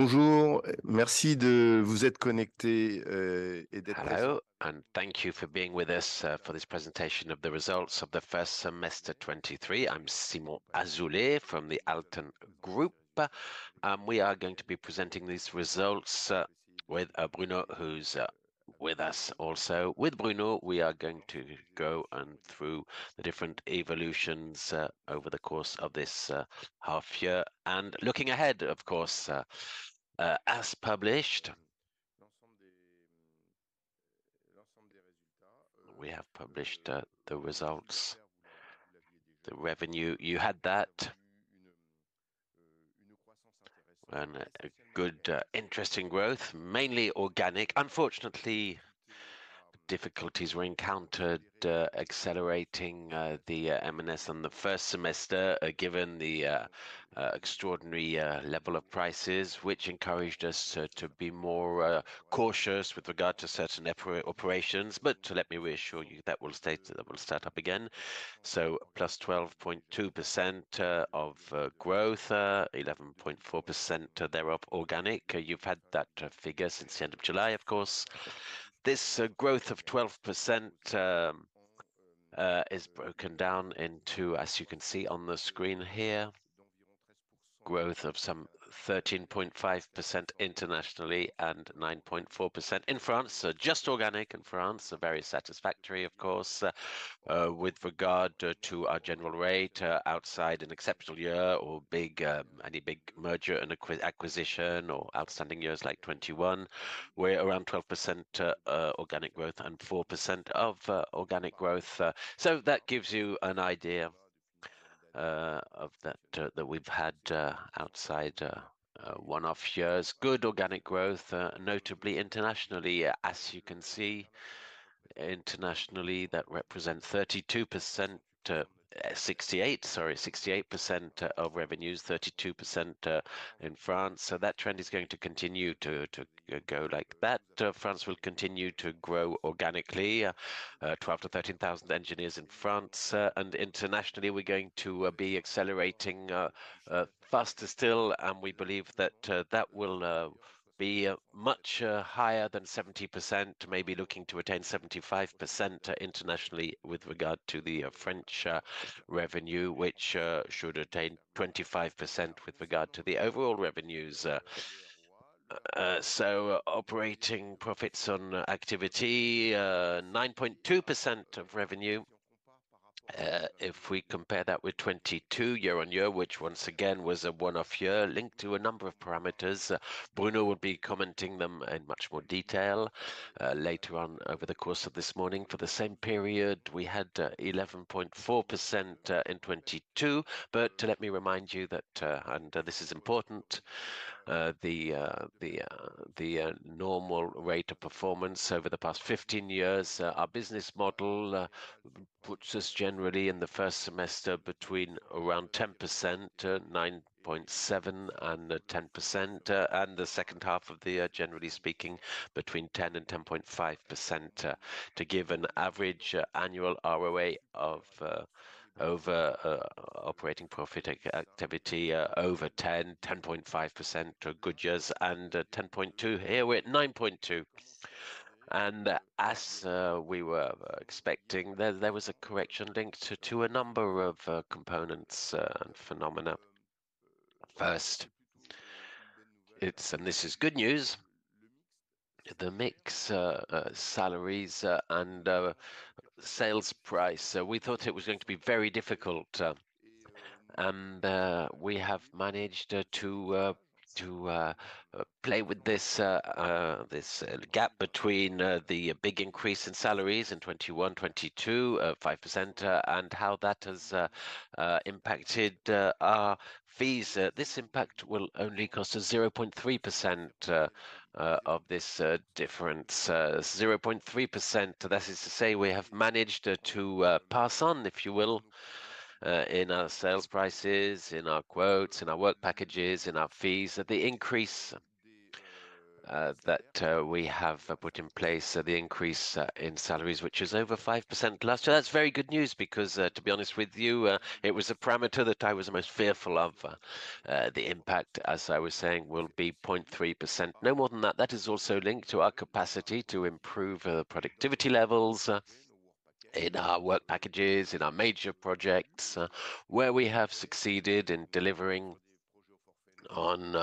Bonjour. Merci de vous être connectés, and hello, and thank you for being with us for this presentation of the results of the first semester 2023. I'm Simon Azoulay from the Alten Group. We are going to be presenting these results with Bruno, who's with us also. With Bruno, we are going to go on through the different evolutions over the course of this half year. Looking ahead, of course, as published, we have published the results. The revenue, you had that. And a good, interesting growth, mainly organic. Unfortunately, difficulties were encountered accelerating the M&A on the first semester, given the extraordinary level of prices, which encouraged us to be more cautious with regard to certain operations. Let me reassure you, that will stay, that will start up again. Plus 12.2% of growth, 11.4% thereof organic. You've had that figure since the end of July, of course. This growth of 12% is broken down into, as you can see on the screen here, growth of some 13.5% internationally and 9.4% in France. Just organic in France, very satisfactory, of course, with regard to our general rate outside an exceptional year or big, any big merger and acquisition or outstanding years like 2021, we're around 12% organic growth and 4% of organic growth. That gives you an idea of that, that we've had outside one-off years. Good organic growth, notably internationally. As you can see, internationally, that represents 32%, 68%, sorry, 68% of revenues, 32% in France. So that trend is going to continue to go like that. France will continue to grow organically, 12-13 thousand engineers in France. And internationally, we're going to be accelerating faster still, and we believe that that will be much higher than 70%, maybe looking to attain 75% internationally with regard to the French revenue, which should attain 25% with regard to the overall revenues. So operating profits on activity, 9.2% of revenue. If we compare that with 2022 year-over-year, which once again was a one-off year linked to a number of parameters. Bruno will be commenting them in much more detail later on over the course of this morning. For the same period, we had 11.4% in 2022. But let me remind you that, and this is important, the normal rate of performance over the past 15 years, our business model, puts us generally in the first semester between around 10%, 9.7%-10%, and the second half of the year, generally speaking, between 10%-10.5%, to give an average annual ROA of over operating profit activity over 10, 10.5% good years, and 10.2. Here, we're at 9.2. As we were expecting, there was a correction linked to a number of components and phenomena. First, it's... and this is good news. The mix, salaries, and sales price. We thought it was going to be very difficult, and we have managed to play with this gap between the big increase in salaries in 2021, 2022, 5%, and how that has impacted our fees. This impact will only cost us 0.3% of this difference, 0.3%. That is to say, we have managed to pass on, if you will, in our sales prices, in our quotes, in our work packages, in our fees, the increase that we have put in place, the increase in salaries, which is over 5% last year. That's very good news because, to be honest with you, it was a parameter that I was the most fearful of. The impact, as I was saying, will be 0.3%, no more than that. That is also linked to our capacity to improve productivity levels in our work packages, in our major projects, where we have succeeded in delivering on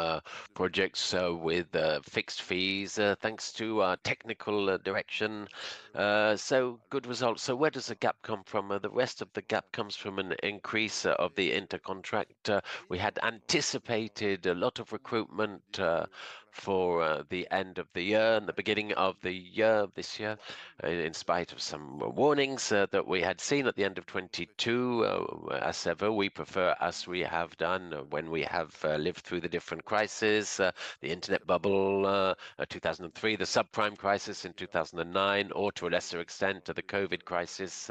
projects with fixed fees, thanks to our technical direction. So good results. So where does the gap come from? The rest of the gap comes from an increase of the inter-contract. We had anticipated a lot of recruitment for the end of the year and the beginning of the year, this year, in spite of some warnings that we had seen at the end of 2022. As ever, we prefer, as we have done when we have lived through the different crises, the internet bubble, 2003, the subprime crisis in 2009, or to a lesser extent, the COVID crisis,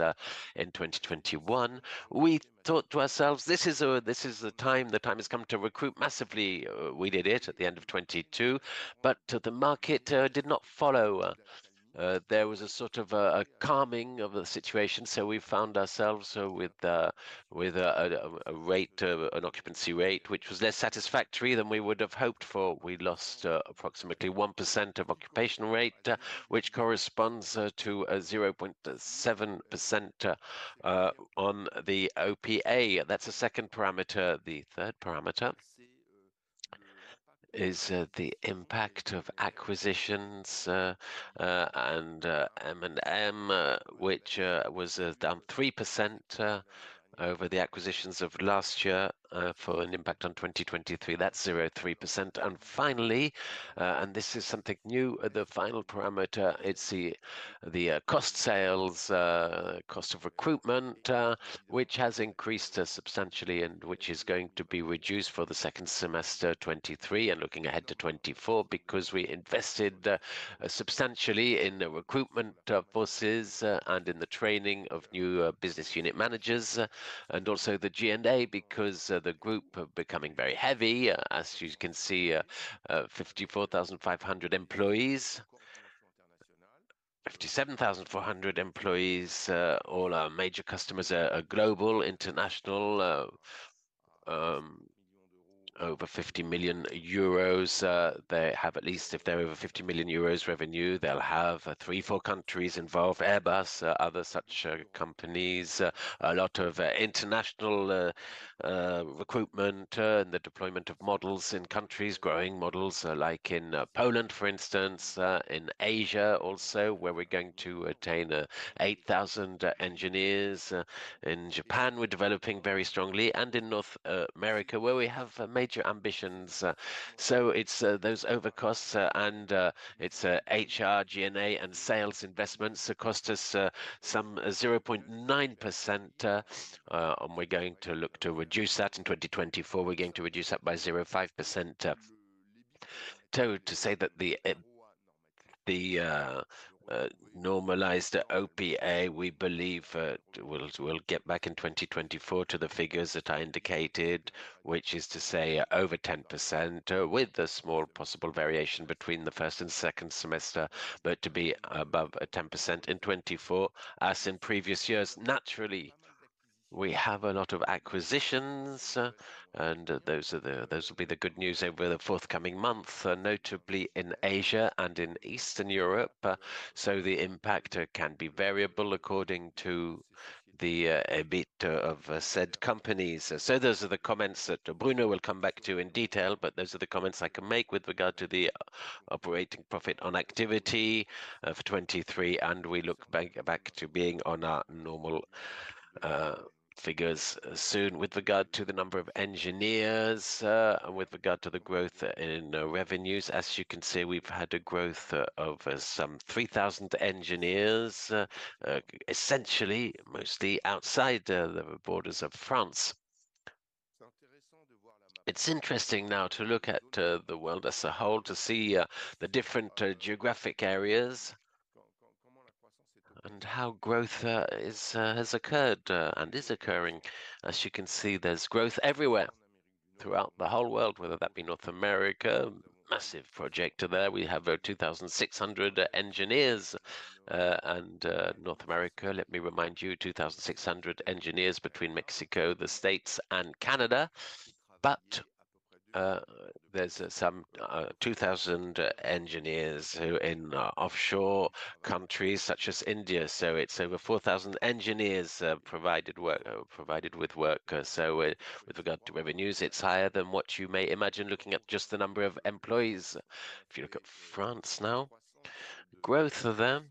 in 2021. We thought to ourselves: This is, this is the time. The time has come to recruit massively. We did it at the end of 2022, but the market did not follow. There was a sort of a calming of the situation, so we found ourselves with a rate, an occupancy rate, which was less satisfactory than we would have hoped for. We lost approximately 1% of occupation rate, which corresponds to 0.7% on the OPA. That's the second parameter. The third parameter is the impact of acquisitions and M&A, which was down 3% over the acquisitions of last year, for an impact on 2023, that's 0.3%. And finally, and this is something new, the final parameter, it's the cost of sales, cost of recruitment, which has increased substantially and which is going to be reduced for the second semester 2023, and looking ahead to 2024, because we invested substantially in the recruitment forces, and in the training of new business unit managers, and also the SG&A, because the group are becoming very heavy. As you can see, 54,500 employees. 57,400 employees, all our major customers are global, international, over 50 million euros. They have at least if they're over 50 million euros revenue, they'll have three, four countries involved, Airbus, other such companies. A lot of international recruitment and the deployment of models in countries, growing models, like in Poland, for instance, in Asia also, where we're going to attain 8,000 engineers. In Japan, we're developing very strongly and in North America, where we have major ambitions. So it's those overcosts and it's HR, SG&A, and sales investments cost us some 0.9% and we're going to look to reduce that in 2024. We're going to reduce that by 0.5%. So to say that the normalized OPA, we believe, we'll get back in 2024 to the figures that I indicated, which is to say over 10%, with a small possible variation between the first and second semester, but to be above 10% in 2024, as in previous years. Naturally, we have a lot of acquisitions, and those will be the good news over the forthcoming month, notably in Asia and in Eastern Europe. So the impact can be variable according to the EBIT of said companies. So those are the comments that Bruno will come back to in detail, but those are the comments I can make with regard to the operating profit on activity of 23, and we look back to being on our normal figures soon. With regard to the number of engineers, and with regard to the growth in revenues, as you can see, we've had a growth of some 3,000 engineers, essentially, mostly outside the borders of France. It's interesting now to look at the world as a whole, to see the different geographic areas and how growth is has occurred and is occurring. As you can see, there's growth everywhere throughout the whole world, whether that be North America, massive project there. We have 2,600 engineers, and North America, let me remind you, 2,600 engineers between Mexico, the States, and Canada. There's some 2,000 engineers who in offshore countries such as India, so it's over 4,000 engineers provided with work. With regard to revenues, it's higher than what you may imagine looking at just the number of employees. If you look at France now, growth there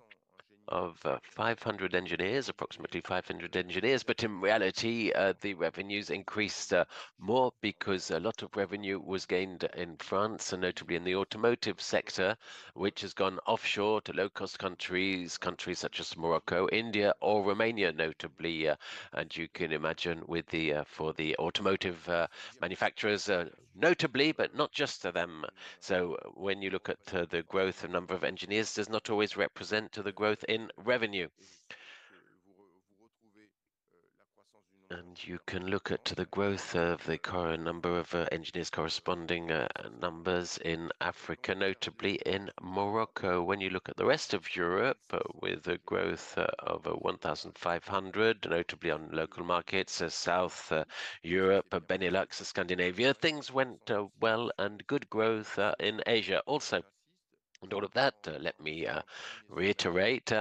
of 500 engineers, approximately 500 engineers. In reality, the revenues increased more because a lot of revenue was gained in France, and notably in the automotive sector, which has gone offshore to low-cost countries, countries such as Morocco, India or Romania, notably. And you can imagine with the, for the automotive, manufacturers, notably, but not just to them. So when you look at, the growth, the number of engineers does not always represent to the growth in revenue. And you can look at to the growth of the current number of, engineers corresponding, numbers in Africa, notably in Morocco. When you look at the rest of Europe, with a growth, over 1,500, notably on local markets, South Europe, Benelux, Scandinavia, things went, well, and good growth, in Asia also. And all of that, let me, reiterate,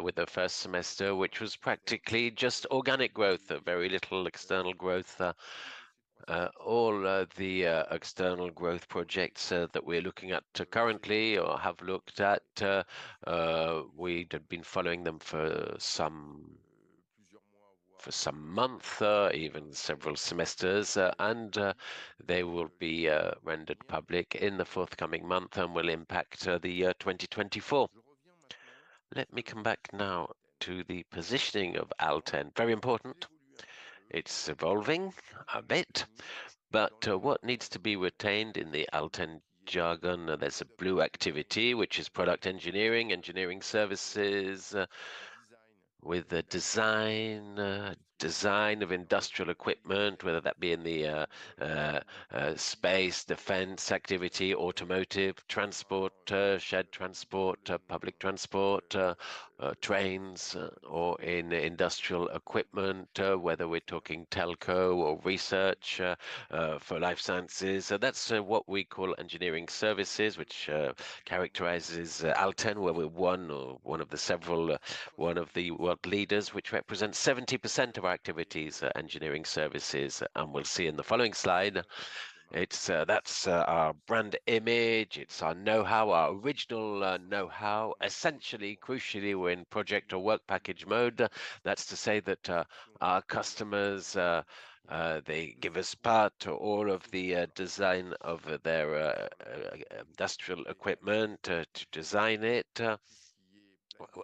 with the first semester, which was practically just organic growth, very little external growth. All the external growth projects that we're looking at currently or have looked at, we have been following them for some, for some month, even several semesters, and they will be rendered public in the forthcoming month and will impact the year 2024. Let me come back now to the positioning of Alten. Very important. It's evolving a bit, but what needs to be retained in the Alten jargon, there's a blue activity, which is product engineering, engineering services, with the design, design of industrial equipment, whether that be in the space, defense activity, automotive, transport, shared transport, public transport, trains, or in industrial equipment, whether we're talking telco or research, for life sciences. That's what we call engineering services, which characterizes Alten, where we're one or one of several, one of the world leaders, which represents 70% of our activities are engineering services. We'll see in the following slide, that's our brand image, it's our know-how, our original know-how. Essentially, crucially, we're in project or work package mode. That's to say that our customers, they give us part or all of the design of their industrial equipment, to design it,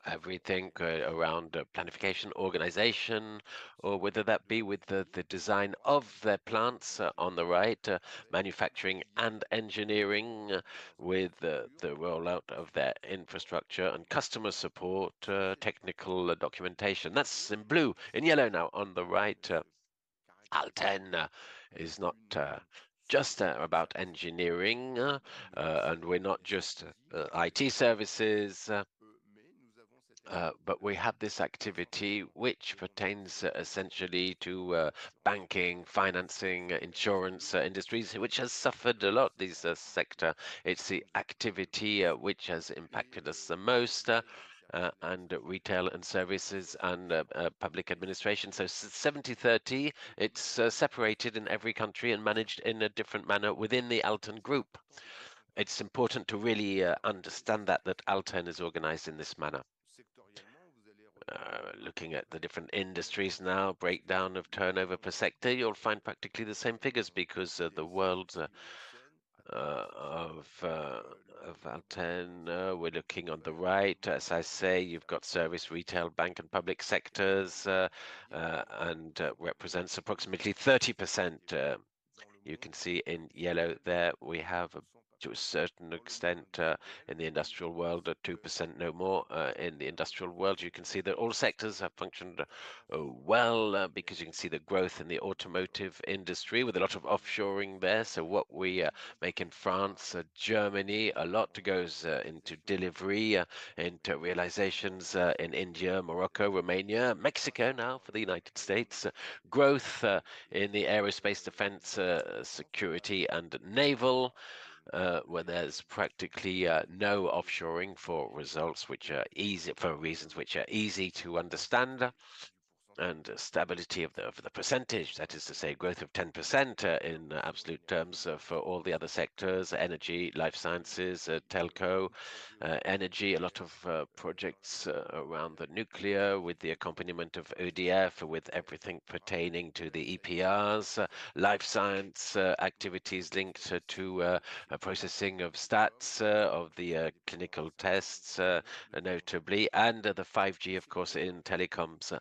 everything around planification, organization, or whether that be with the design of their plants on the right, manufacturing and engineering with the rollout of their infrastructure and customer support, technical documentation. That's in blue. In yellow now, on the right, Alten is not just about engineering, and we're not just IT services, but we have this activity which pertains essentially to banking, financing, insurance industries, which has suffered a lot, this sector. It's the activity which has impacted us the most, and retail and services and public administration. So 70/30, it's separated in every country and managed in a different manner within the Alten Group. It's important to really understand that, that Alten is organized in this manner. Looking at the different industries now, breakdown of turnover per sector, you'll find practically the same figures because the world of Alten, we're looking on the right. As I say, you've got service, retail, bank, and public sectors, and represents approximately 30%. You can see in yellow there we have, to a certain extent, in the industrial world, 2% no more. In the industrial world, you can see that all sectors have functioned, well, because you can see the growth in the automotive industry with a lot of offshoring there. What we make in France, Germany, a lot goes into delivery, into realizations in India, Morocco, Romania, Mexico now for the United States. Growth in the aerospace, defense, security, and naval, where there's practically no offshoring for results which are easy—for reasons which are easy to understand, and stability of the, the percentage, that is to say, growth of 10% in absolute terms for all the other sectors: energy, life sciences, telco. Energy, a lot of projects around the nuclear with the accompaniment of EDF, with everything pertaining to the EPRs. Life science activities linked to processing of stats of the clinical tests, notably, and the 5G, of course, in telecoms.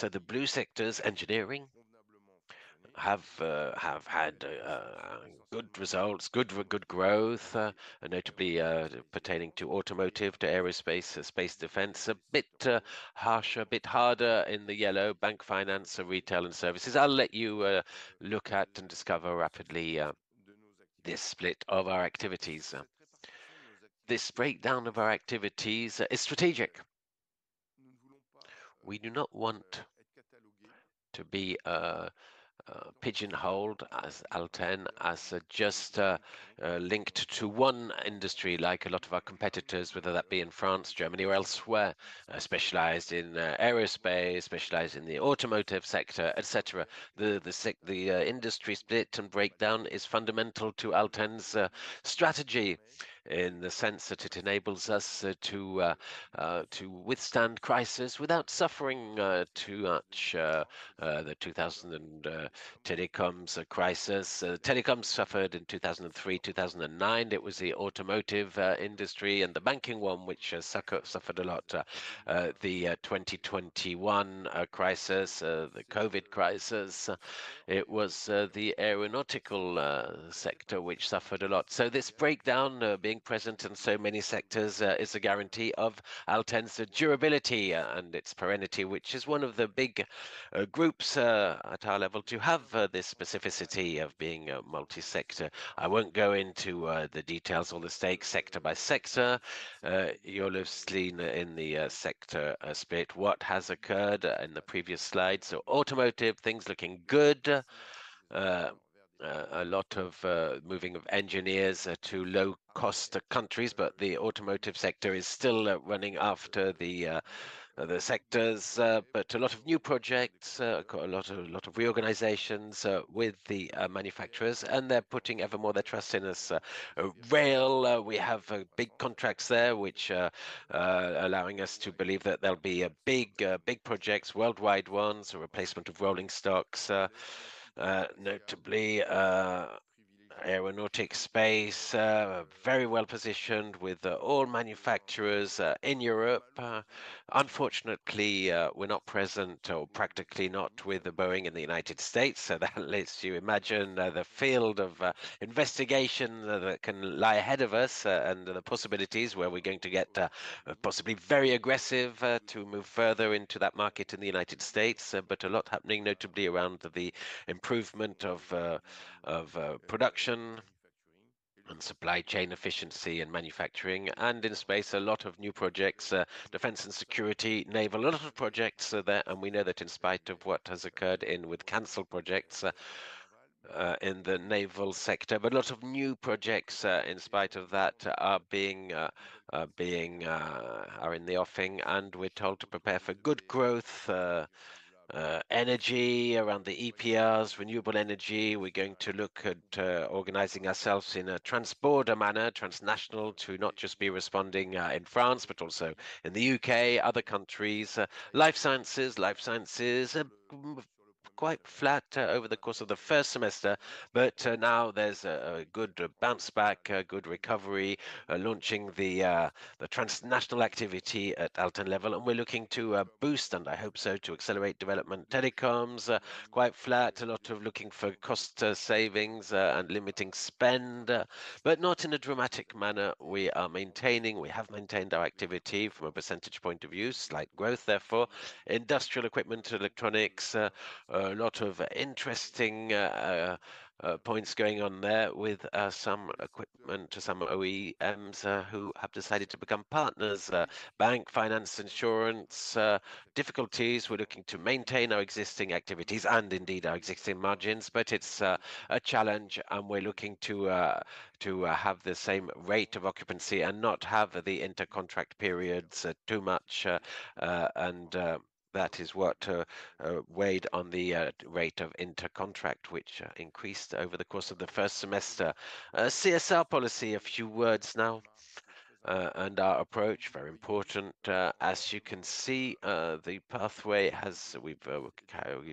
The blue sectors, engineering, have had good results, good growth, notably pertaining to automotive, to aerospace, space defense. A bit harsher, a bit harder in the yellow: bank, finance, and retail, and services. I'll let you look at and discover rapidly this split of our activities. This breakdown of our activities is strategic. We do not want to be pigeonholed as Alten, as just linked to one industry like a lot of our competitors, whether that be in France, Germany or elsewhere, specialized in aerospace, specialized in the automotive sector, et cetera. The industry split and breakdown is fundamental to Alten's strategy in the sense that it enables us to withstand crisis without suffering too much. The 2000 and telecoms crisis. Telecoms suffered in 2003. 2009, it was the automotive industry and the banking one, which suffered a lot. The 2021 crisis, the COVID crisis, it was the aeronautical sector which suffered a lot. So this breakdown, being present in so many sectors, is a guarantee of Alten's durability and its permanence, which is one of the big groups, at our level, to have this specificity of being a multi-sector. I won't go into the details or the stakes sector by sector. You'll have seen in the sector split what has occurred in the previous slide. So automotive, things looking good. A lot of moving of engineers to low-cost countries, but the automotive sector is still running after the, the sectors. But a lot of new projects, a lot of, a lot of reorganizations with the manufacturers, and they're putting ever more their trust in us. Rail, we have big contracts there, which are allowing us to believe that there'll be big, big projects, worldwide ones, a replacement of rolling stocks, notably. Aeronautics, space, very well-positioned with all manufacturers in Europe. Unfortunately, we're not present or practically not with the Boeing in the United States, so that lets you imagine the field of investigation that can lie ahead of us and the possibilities where we're going to get, possibly very aggressive, to move further into that market in the United States. But a lot happening, notably around the improvement of production and supply chain efficiency and manufacturing. And in space, a lot of new projects, defense and security. Naval, a lot of projects are there, and we know that in spite of what has occurred in with canceled projects in the naval sector, but a lot of new projects, in spite of that, are being are in the offing, and we're told to prepare for good growth. Energy around the EPRs, renewable energy, we're going to look at organizing ourselves in a transborder manner, transnational, to not just be responding in France, but also in the UK, other countries. Life sciences. Life sciences, a group of quite flat over the course of the first semester, but now there's a good bounce back, a good recovery, launching the transnational activity at Alten level. And we're looking to boost, and I hope so, to accelerate development. Telecoms are quite flat, a lot of looking for cost savings and limiting spend, but not in a dramatic manner. We are maintaining—we have maintained our activity from a percentage point of view, slight growth, therefore. Industrial equipment, electronics, a lot of interesting points going on there with some equipment to some OEMs who have decided to become partners. Bank, finance, insurance, difficulties, we're looking to maintain our existing activities and indeed our existing margins, but it's a challenge, and we're looking to have the same rate of occupancy and not have the inter-contract periods too much. That is what weighed on the rate of inter-contract, which increased over the course of the first semester. CSR policy, a few words now, and our approach, very important. As you can see, the pathway has... We've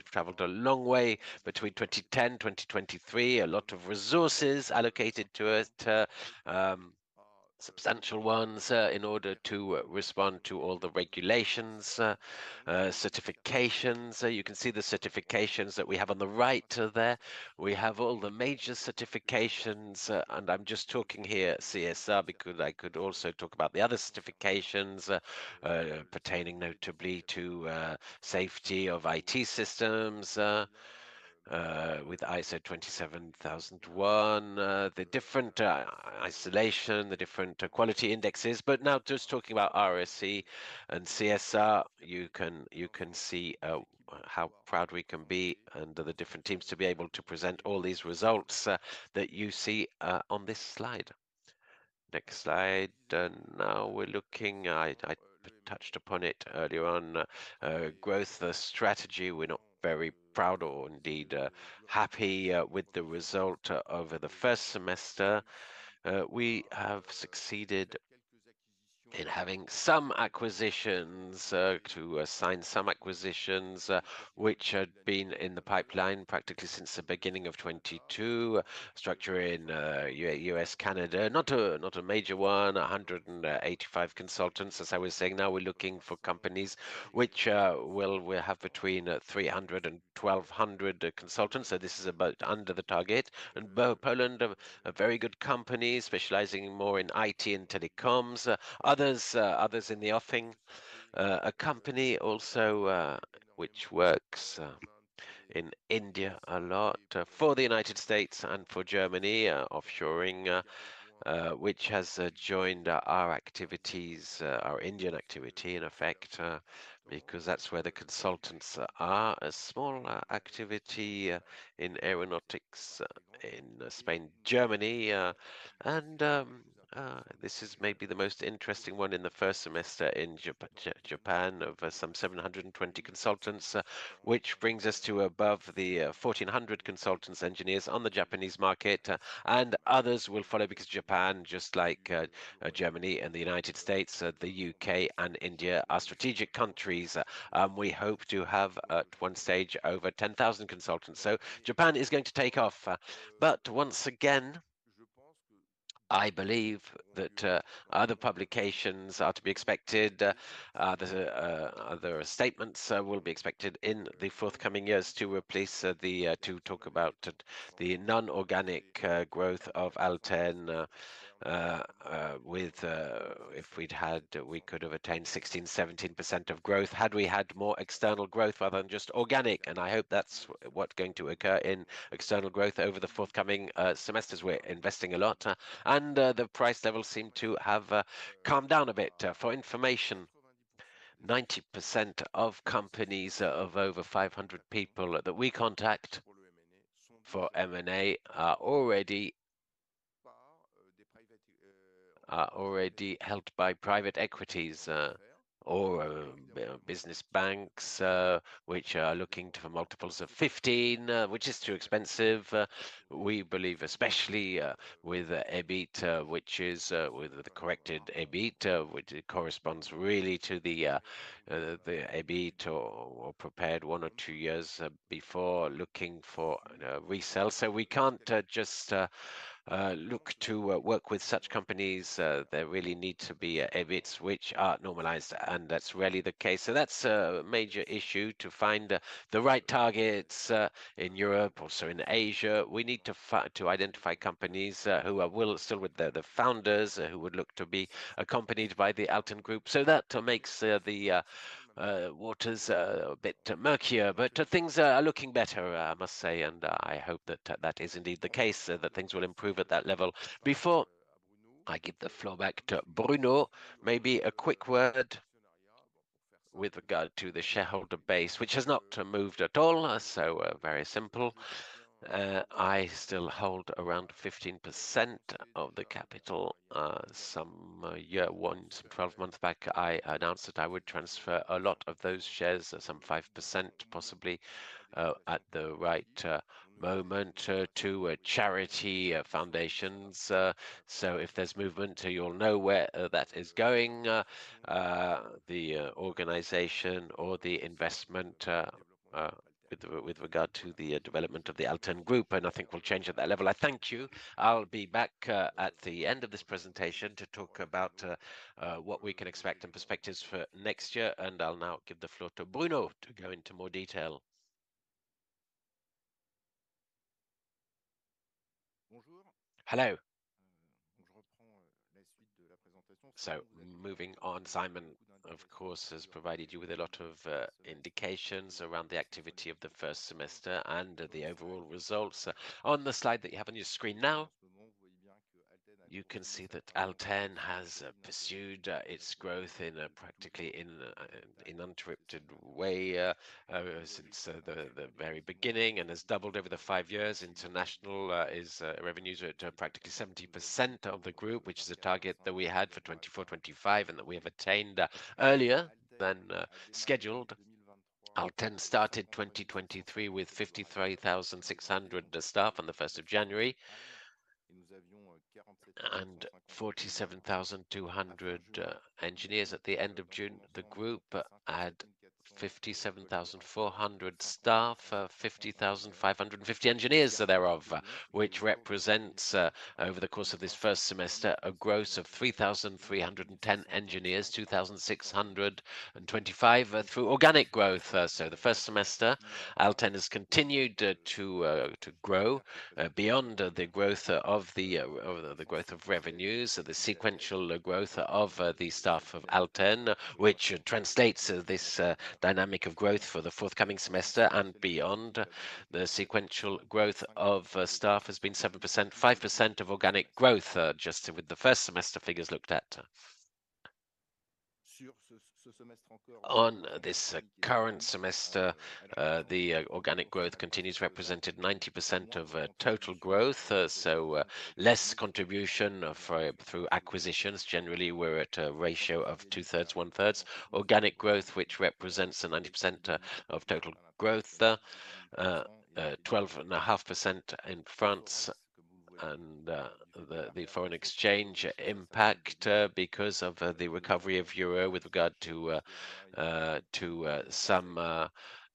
traveled a long way between 2010, 2023. A lot of resources allocated to it, substantial ones, in order to respond to all the regulations, certifications. So you can see the certifications that we have on the right, there. We have all the major certifications, and I'm just talking here at CSR, because I could also talk about the other certifications, pertaining notably to safety of IT systems, with ISO 27001. The different isolation, the different quality indexes. But now just talking about RSE and CSR, you can, you can see, how proud we can be under the different teams to be able to present all these results, that you see, on this slide. Next slide. And now we're looking, I touched upon it earlier on, growth, the strategy. We're not very proud or indeed, happy, with the result, over the first semester. We have succeeded in having some acquisitions, to assign some acquisitions, which had been in the pipeline practically since the beginning of 2022. Structure in, U.S., Canada, not a major one, 185 consultants. As I was saying, now we're looking for companies which, will have between, 300 and 1,200 consultants. So this is about under the target. Poland, a very good company specializing more in IT and telecoms. Others in the offing. A company also, which works in India a lot, for the United States and for Germany, offshoring, which has joined our activities, our Indian activity, in effect, because that's where the consultants are. A small activity in aeronautics in Spain, Germany, and this is maybe the most interesting one in the first semester in Japan, of some 720 consultants, which brings us to above the 1,400 consultants, engineers on the Japanese market, and others will follow. Because Japan, just like Germany and the United States, the UK and India, are strategic countries, and we hope to have, at one stage, over 10,000 consultants. So Japan is going to take off. But once again, I believe that other publications are to be expected. There's other statements will be expected in the forthcoming years to talk about the non-organic growth of Alten. With if we'd had we could have attained 16%-17% of growth, had we had more external growth rather than just organic, and I hope that's what's going to occur in external growth over the forthcoming semesters. We're investing a lot, and the price levels seem to have calmed down a bit. For information, 90% of companies of over 500 people that we contact for M&A are already, are already helped by private equity, or, business banks, which are looking to multiples of 15, which is too expensive. We believe, especially, with EBIT, which is, with the corrected EBIT, which corresponds really to the, the EBIT or, or prepared one or two years, before looking for, resale. We can't, just, look to, work with such companies. There really need to be EBITDA, which are normalized, and that's rarely the case. That's a major issue, to find the, the right targets, in Europe, also in Asia. We need to identify companies who are, well, still with the founders who would look to be accompanied by the Alten group. So that makes the waters a bit murkier, but things are looking better, I must say, and I hope that that is indeed the case that things will improve at that level. Before I give the floor back to Bruno, maybe a quick word with regard to the shareholder base, which has not moved at all, so very simple. I still hold around 15% of the capital. Some year once, 12 months back, I announced that I would transfer a lot of those shares, some 5%, possibly, at the right moment to a charity foundations. So if there's movement, you'll know where that is going, the organization or the investment, with regard to the development of the Alten Group, and I think we'll change at that level. I thank you. I'll be back at the end of this presentation to talk about what we can expect and perspectives for next year, and I'll now give the floor to Bruno to go into more detail. Bonjour. Hello. So moving on, Simon, of course, has provided you with a lot of indications around the activity of the first semester and the overall results. On the slide that you have on your screen now, you can see that Alten has pursued its growth in a practically uninterrupted way since the very beginning and has doubled over the five years. International revenues are at practically 70% of the group, which is a target that we had for 2024, 2025, and that we have attained earlier than scheduled. Alten started 2023 with 53,600 staff on the first of January, and 47,200 engineers. At the end of June, the group had 57,400 staff, 50,550 engineers thereof, which represents, over the course of this first semester, a growth of 3,310 engineers, 2,625 through organic growth. The first semester, Alten has continued to grow, to grow beyond the growth of the, of the growth of revenues. The sequential growth of the staff of Alten, which translates this dynamic of growth for the forthcoming semester and beyond. The sequential growth of staff has been 7%, 5% of organic growth, just with the first semester figures looked at. On this current semester, the organic growth continues, represented 90% of total growth, so less contribution through acquisitions. Generally, we're at a ratio of 2/3, 1/3. Organic growth, which represents 90% of total growth, 12.5% in France and the foreign exchange impact, because of the recovery of euro with regard to some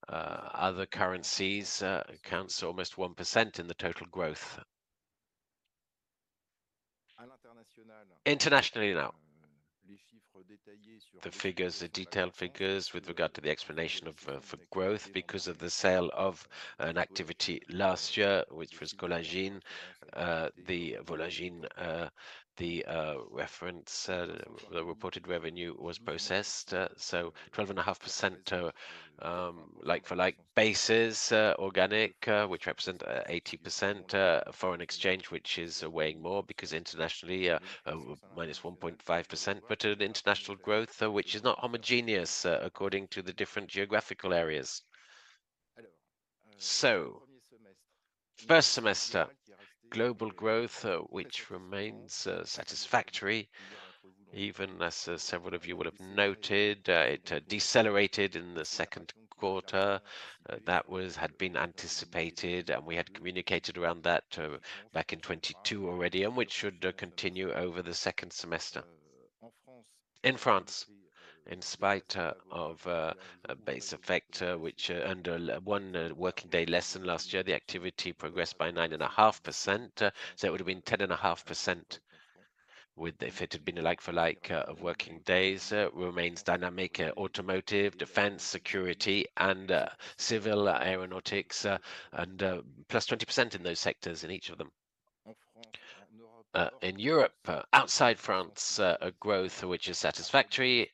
other currencies, accounts almost 1% in the total growth. Internationally now. The figures, the detailed figures with regard to the explanation for growth because of the sale of an activity last year, which was Cprime. The Cprime, the reference, the reported revenue progressed 12.5% to like-for-like basis, organic, which represents 80%, foreign exchange, which is weighing more because internationally, minus 1.5%, but an international growth, which is not homogeneous, according to the different geographical areas. So first semester, global growth, which remains satisfactory, even as several of you will have noted, it decelerated in the second quarter. That had been anticipated, and we had communicated around that back in 2022 already, and which should continue over the second semester. In France, in spite of a base effect, which under one working day less than last year, the activity progressed by 9.5%, so it would have been 10.5% with... if it had been a like-for-like of working days, remains dynamic. Automotive, defense, security, and civil aeronautics, and plus 20% in those sectors in each of them. In Europe, outside France, a growth which is satisfactory,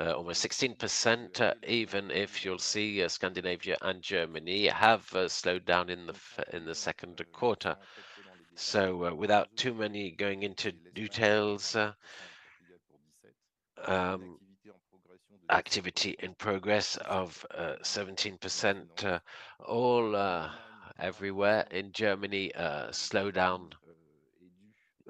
over 16%, even if you'll see, Scandinavia and Germany have slowed down in the second quarter. So, without too many going into details... Activity and progress of 17%, all everywhere. In Germany, slowdown,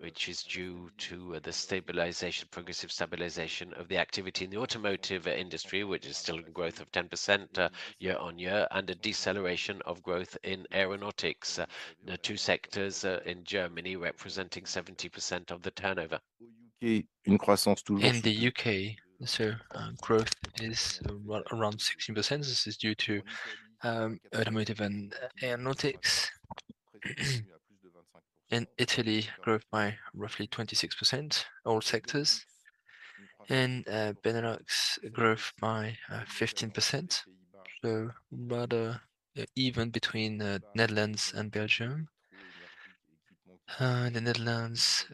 which is due to the stabilization, progressive stabilization of the activity in the automotive industry, which is still growth of 10%, year-on-year, and a deceleration of growth in aeronautics. The two sectors in Germany representing 70% of the turnover. In the UK, so, growth is, well, around 16%. This is due to, automotive and aeronautics. In Italy, growth by roughly 26%, all sectors, and, Benelux growth by, 15%. So rather even between, Netherlands and Belgium. The Netherlands,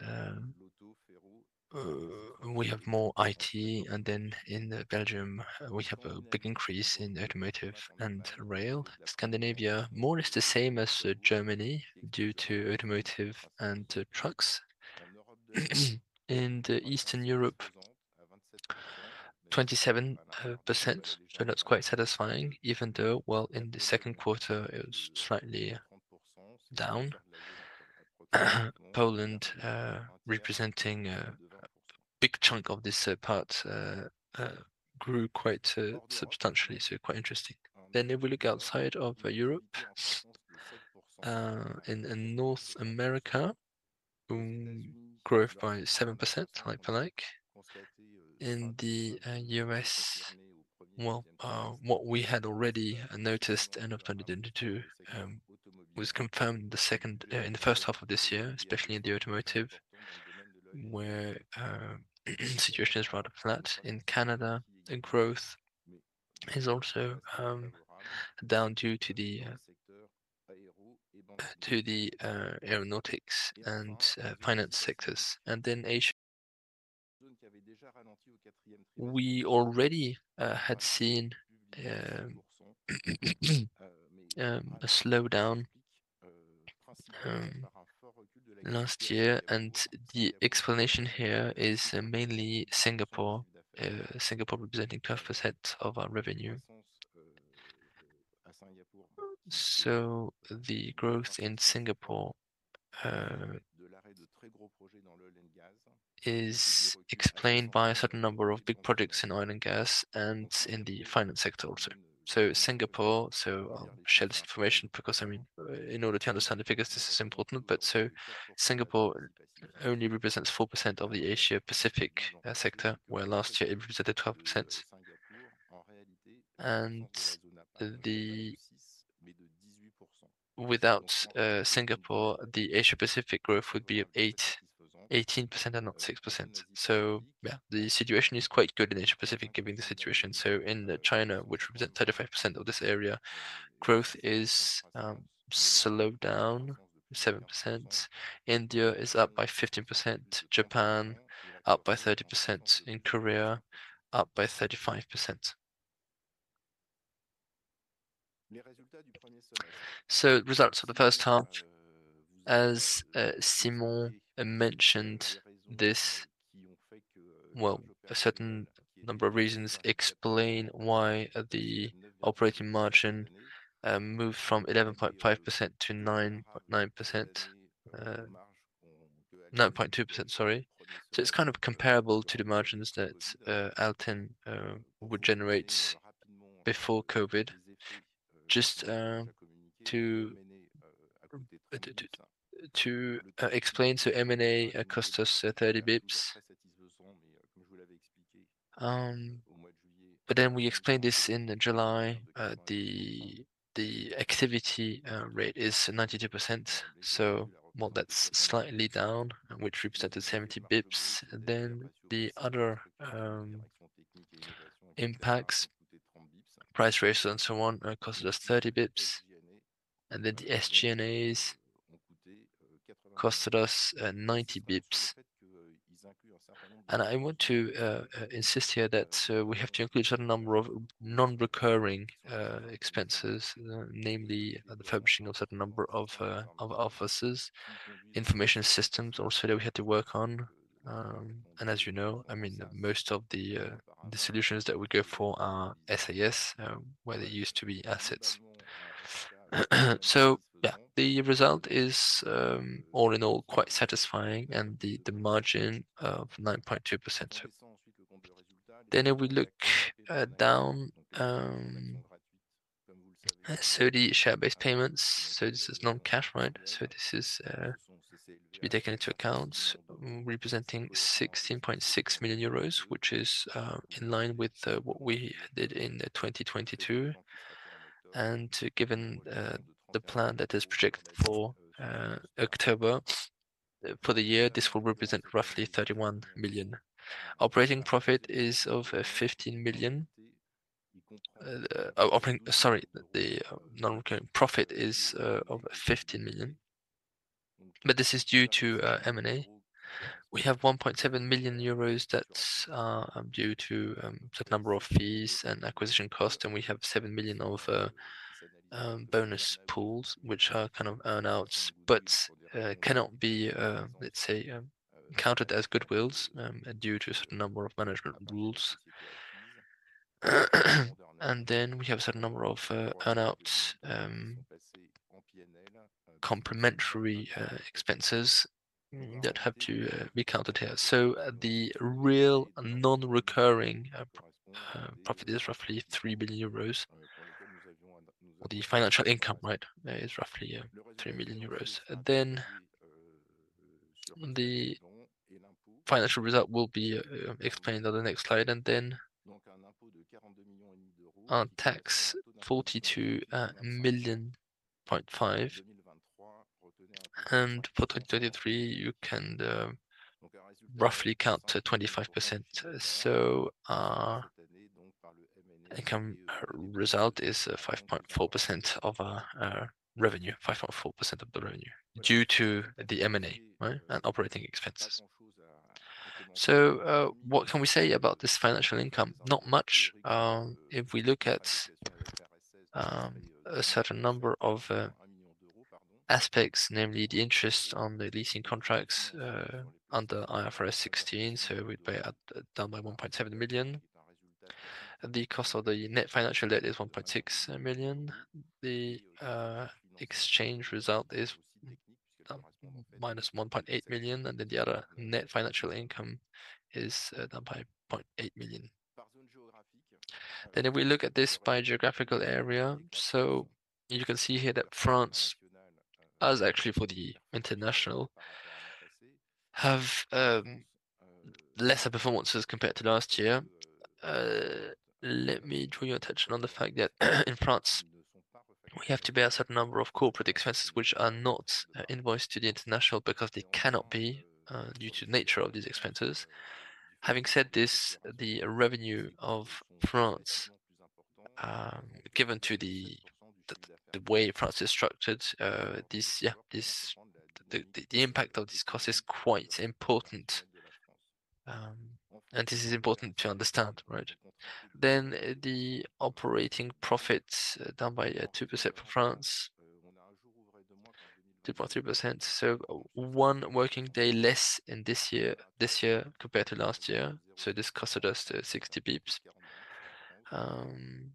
we have more IT, and then in Belgium, we have a big increase in automotive and rail. Scandinavia, more or less the same as, Germany due to automotive and trucks. In Eastern Europe, 27%, so that's quite satisfying, even though, well, in the second quarter, it was slightly down. Poland, representing, big chunk of this, part, grew quite, substantially, so quite interesting. Then if we look outside of Europe, in North America, growth by 7% like-for-like. In the US, well, what we had already noticed and attended into was confirmed the second-- in the first half of this year, especially in the automotive, where the situation is rather flat. In Canada, the growth is also down due to the aeronautics and finance sectors. In Asia, we already had seen a slowdown last year, and the explanation here is mainly Singapore. Singapore representing 12% of our revenue. The growth in Singapore is explained by a certain number of big projects in oil and gas and in the finance sector also. I share this information because, I mean, in order to understand the figures, this is important. But so Singapore only represents 4% of the Asia-Pacific sector, where last year it represented 12%. And the-- without Singapore, the Asia-Pacific growth would be at 18% and not 6%. So yeah, the situation is quite good in Asia-Pacific, given the situation. So in China, which represents 35% of this area, growth is slowed down 7%. India is up by 15%, Japan up by 30%, in Korea, up by 35%. So results for the first half, as Simon mentioned this, well, a certain number of reasons explain why the operating margin moved from 11.5% to 9.9%. 9.2%, sorry. So it's kind of comparable to the margins that Alten would generate before COVID. Just to explain, M&A cost us 30 basis points. We explained this in July, the activity rate is 92%, so well, that's slightly down, which represents 70 basis points. The other impacts, price raises, and so on, cost us 30 basis points, and the SG&A cost us 90 basis points. I want to insist here that we have to include a certain number of non-recurring expenses, namely the publishing of certain number of offices, information systems also that we had to work on. As you know, I mean, most of the solutions that we go for are SaaS, where they used to be assets. Yeah, the result is, all in all, quite satisfying, and the margin of 9.2%. If we look down, the share-based payments, so this is non-cash, right? So this is to be taken into account, representing 16.6 million euros, which is in line with what we did in 2022. Given the plan that is projected for October, for the year, this will represent roughly 31 million. Operating profit is over 15 million. Sorry, the non-recurring profit is over 15 million, but this is due to M&A. We have 1.7 million euros that's due to a certain number of fees and acquisition costs, and we have 7 million of bonus pools, which are kind of earn-outs, but cannot be, let's say, counted as goodwill due to a certain number of management rules. And then we have a certain number of earn-outs, complementary expenses that have to be counted here. So the real non-recurring profit is roughly 3 million euros. The financial income, right, is roughly 3 million euros. And then, the financial result will be explained on the next slide, and then, our tax, EUR 42.5 million. And for 2023, you can roughly count to 25%. So our income result is 5.4% of our revenue, 5.4% of the revenue due to the M&A, right, and operating expenses. So, what can we say about this financial income? Not much. If we look at a certain number of aspects, namely the interest on the leasing contracts under IFRS 16, so we'd be at, down by 1.7 million. The cost of the net financial debt is 1.6 million. The exchange result is down -1.8 million, and then the other net financial income is down by 0.8 million. Then if we look at this by geographical area, so you can see here that France, as actually for the international, have lesser performances compared to last year. Let me draw your attention on the fact that in France, we have to bear a certain number of corporate expenses which are not invoiced to the international because they cannot be due to the nature of these expenses. Having said this, the revenue of France, given the way France is structured, this, yeah, this, the impact of this cost is quite important. And this is important to understand, right? Then the operating profit down by 2% for France, 2.3%. So one working day less in this year, this year compared to last year. So this costed us 60 basis points.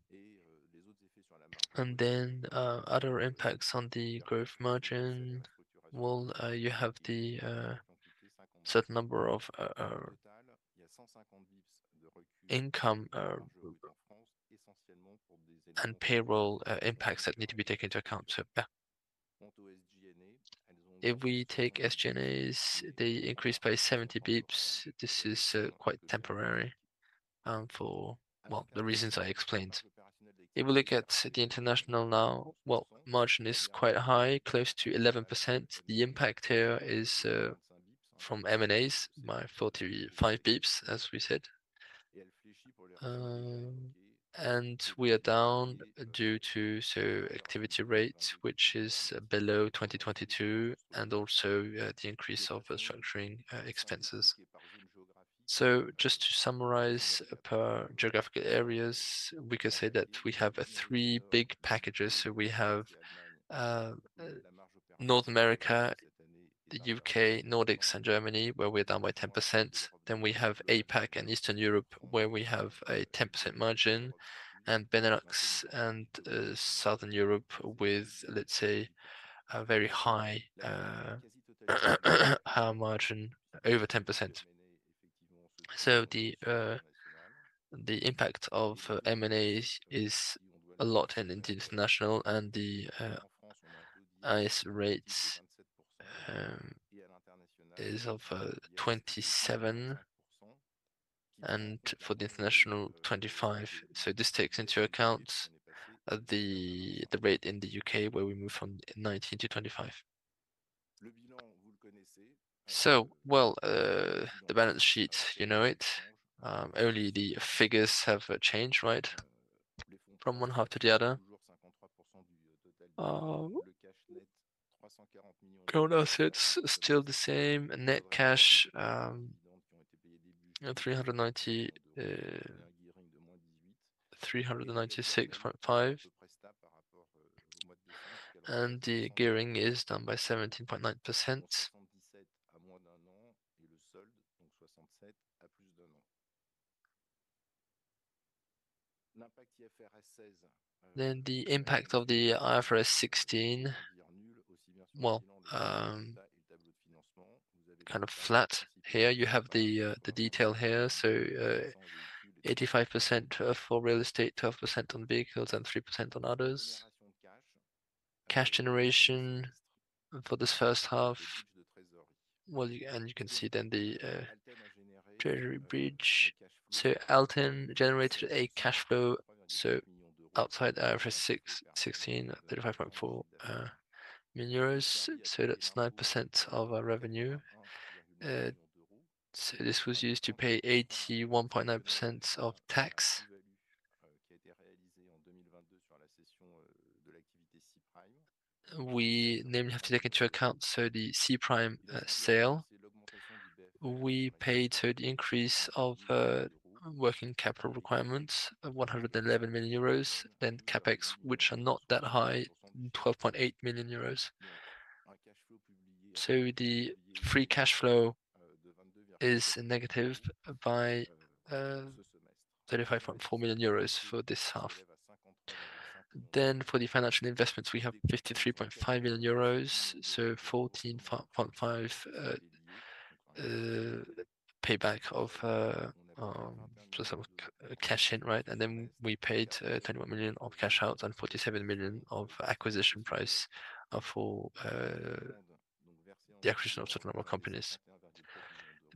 And then other impacts on the growth margin, well, you have the certain number of income and payroll impacts that need to be taken into account. So yeah. If we take SG&As, they increased by 70 basis points. This is quite temporary, for the reasons I explained. If we look at the international now, well, margin is quite high, close to 11%. The impact here is from M&As, by 45 basis points, as we said. And we are down due to so activity rate, which is below 2022, and also the increase of restructuring expenses. Just to summarize, per geographical areas, we can say that we have three big packages. We have North America, the U.K., Nordics, and Germany, where we're down by 10%. We have APAC and Eastern Europe, where we have a 10% margin, and Benelux and Southern Europe with, let's say, a very high, high margin, over 10%. The impact of M&A is a lot in the international and the tax rates is of 27, and for the international, 25. This takes into account the rate in the U.K., where we moved from 19 to 25. Well, the balance sheet, you know it. Only the figures have changed, right? From one half to the other. Total assets are still the same. Net cash, 396.5. The gearing is down by 17.9%. Then the impact of the IFRS 16, well, kind of flat. Here, you have the detail here. So, 85% for real estate, 12% on vehicles, and 3% on others. Cash generation for this first half, well, and you can see then the treasury bridge. So Alten generated a cash flow, so outside IFRS 16, 35.4 million euros. So that's 9% of our revenue. So this was used to pay 81.9% of tax. We namely have to take into account, so the Cprime sale. We paid, so the increase of working capital requirements of 111 million euros, CapEx, which are not that high, 12.8 million euros. The free cash flow is negative by 35.4 million euros for this half. For the financial investments, we have 53.5 million euros, so EUR 14.5 million payback of plus our cash in, right? We paid 21 million of cash out and 47 million of acquisition price for the acquisition of certain number of companies.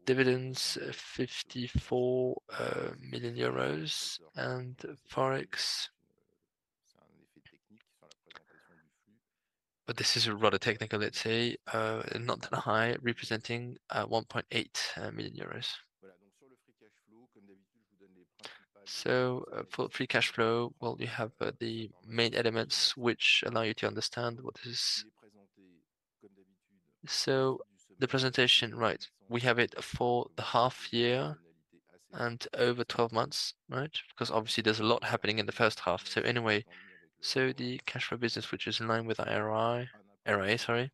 Dividends, EUR 54 million and Forex. This is rather technical, let's say, not that high, representing 1.8 million euros. For free cash flow, well, you have the main elements which allow you to understand what is... the presentation, right. We have it for the half year and over 12 months, right? Because obviously there's a lot happening in the first half. So anyway, so the cash flow business, which is in line with our ROI, ROA, sorry.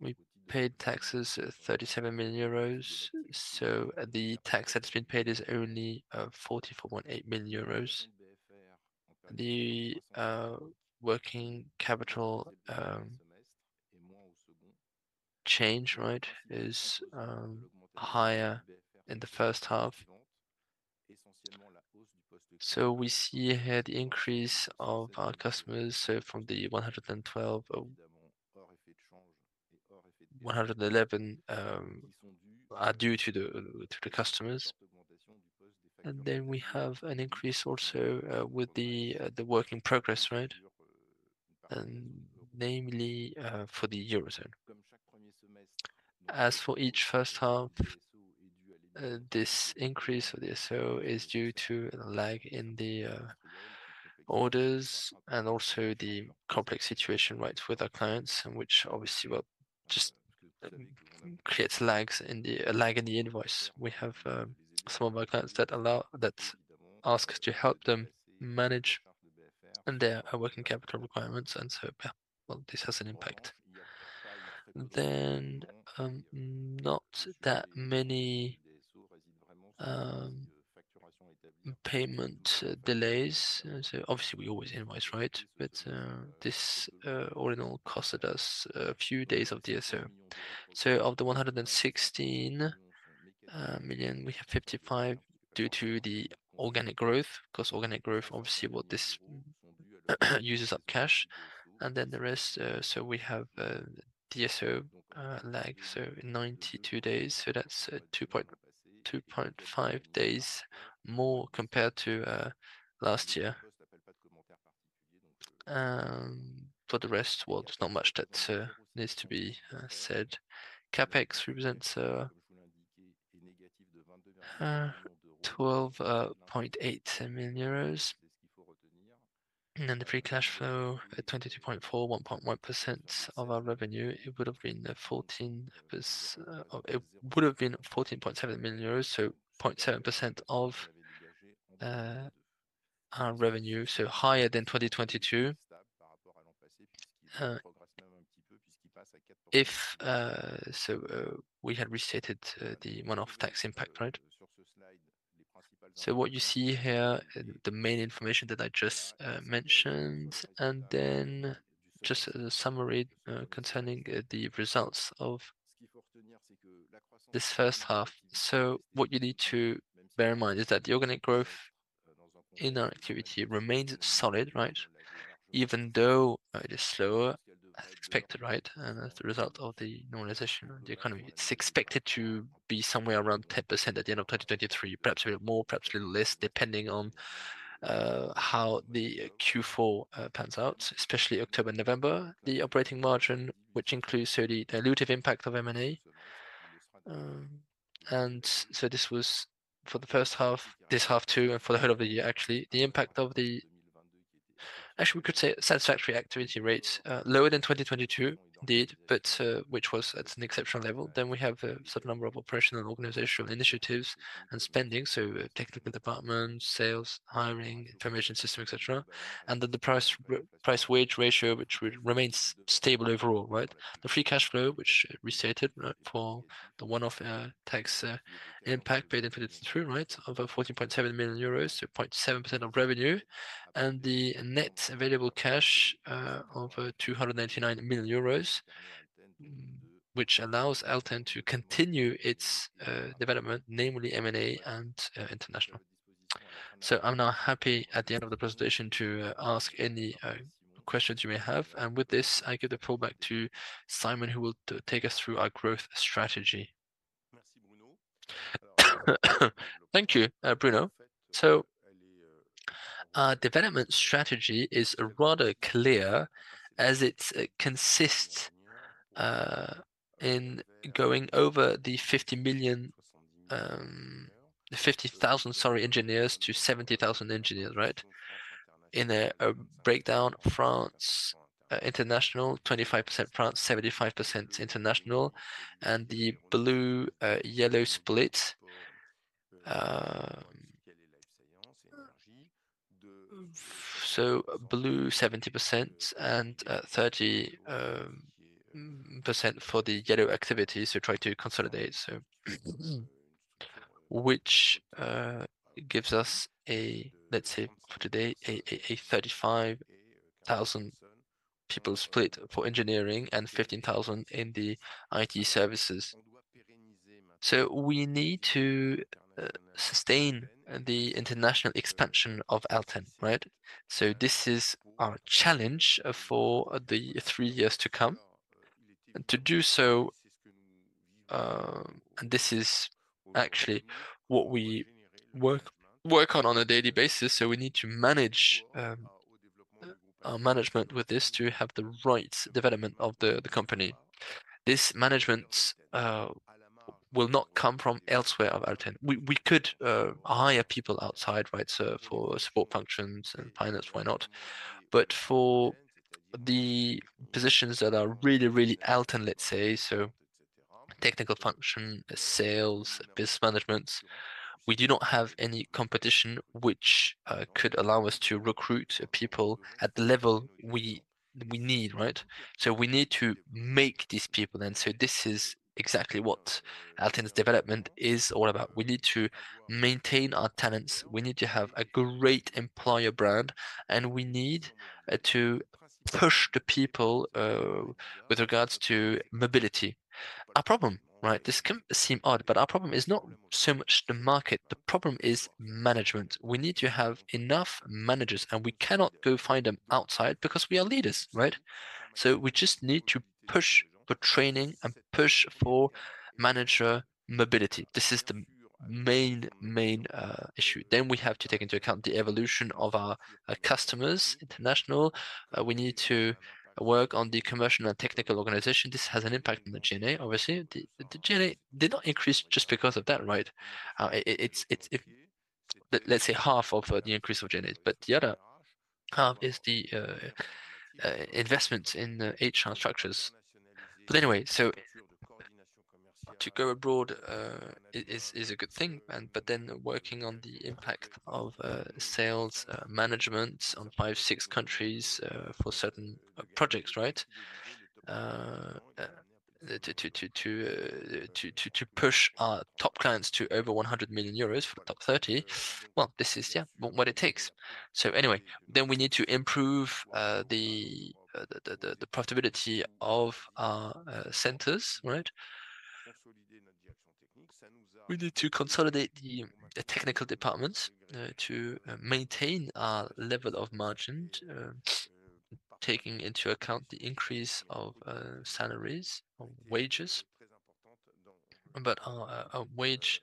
We paid taxes, 37 million euros. So the tax that's been paid is only, 44.8 million euros. The working capital change, right? Is higher in the first half. So we see here the increase of our customers, so from the 112, 111, are due to the, to the customers. And then we have an increase also, with the, the work in progress, right? And namely, for the Eurozone. As for each first half, this increase of the DSO is due to a lag in the orders and also the complex situation, right, with our clients, and which obviously will just creates lags in the a lag in the invoice. We have some of our clients that allow that ask us to help them manage and their working capital requirements, and so, yeah, well, this has an impact. Then, not that many payment delays. So obviously we always invoice, right? But this all in all costed us a few days of DSO. So of the 116 million, we have 55 million due to the organic growth, because organic growth, obviously, well, this uses up cash. And then the rest, so we have DSO lag, so 92 days. That's two point five days more compared to last year. For the rest, well, there's not much that needs to be said. CapEx represents 12.8 million euros. The free cash flow at 22.4 million, 1.1% of our revenue, it would have been 14.7 million euros, so 0.7% of our revenue, so higher than 2022. If we had restated the one-off tax impact, right? What you see here, the main information that I just mentioned, and then just a summary concerning the results of this first half. What you need to bear in mind is that the organic growth in our activity remains solid, right? Even though it is slower as expected, right? As a result of the normalization of the economy, it's expected to be somewhere around 10% at the end of 2023. Perhaps a little more, perhaps a little less, depending on how the Q4 pans out, especially October, November. The operating margin, which includes the dilutive impact of M&A. This was for the first half, this half, too, and for the whole of the year, actually. The impact of the—actually, we could say satisfactory activity rates, lower than 2022 did, but which was at an exceptional level. We have a certain number of operational and organizational initiatives and spending, technical department, sales, hiring, information system, et cetera. The price, price-wage ratio, which remains stable overall, right? The free cash flow, which restated, right, for the one-off, tax, impact paid in 2022, right? Of 14.7 million euros, so 0.7% of revenue, and the net available cash, of 299 million euros, which allows Alten to continue its, development, namely M&A and, international. So I'm now happy at the end of the presentation to ask any, questions you may have. And with this, I give the floor back to Simon, who will take us through our growth strategy. Thank you, Bruno. So, our development strategy is rather clear, as it consists, in going over the 50 million... 50,000, sorry, engineers, to 70,000 engineers, right? In a, a breakdown, France, international, 25% France, 75% international, and the blue, yellow split. So blue, 70%, and 30% for the yellow activity, so try to consolidate. So, which gives us a, let's say, for today, a 35,000 people split for engineering and 15,000 in the IT services. So we need to sustain the international expansion of Alten, right? So this is our challenge for the three years to come. And to do so, and this is actually what we work, work on on a daily basis, so we need to manage our management with this to have the right development of the company. This management will not come from elsewhere of Alten. We could hire people outside, right? So for support functions and finance, why not? But for the positions that are really, really Alten, let's say, so technical function, sales, business management, we do not have any competition which could allow us to recruit people at the level we need, right? So we need to make these people then, so this is exactly what Alten's development is all about. We need to maintain our talents. We need to have a great employer brand, and we need to push the people with regards to mobility. Our problem, right? This can seem odd, but our problem is not so much the market, the problem is management. We need to have enough managers, and we cannot go find them outside because we are leaders, right? So we just need to push for training and push for manager mobility. This is the main, main issue. Then we have to take into account the evolution of our international customers. We need to work on the commercial and technical organization. This has an impact on the SG&A, obviously. The SG&A did not increase just because of that, right? It's half of the increase of SG&A, but the other half is the investment in the HR structures. But anyway, so to go abroad is a good thing, and but then working on the impact of sales management on 5, 6 countries for certain projects, right? To push our top clients to over 100 million euros for the top 30. Well, this is, yeah, what it takes. So anyway, then we need to improve the profitability of our centers, right? We need to consolidate the technical department to maintain our level of margin, taking into account the increase of salaries or wages. But our wage